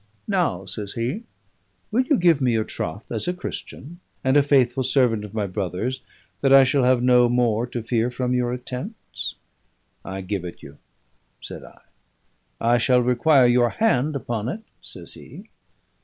"Now," says he, "will you give me your troth as a Christian, and a faithful servant of my brother's, that I shall have no more to fear from your attempts?" "I give it you," said I. "I shall require your hand upon it," says he.